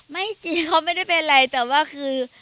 ไม่จริงเขาไม่ได้เป็นอะไรแต่ว่าคือ